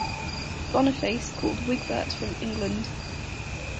Boniface called Wigbert from England.